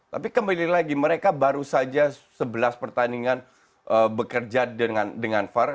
tapi kembali lagi mereka baru saja sebelas pertandingan bekerja dengan var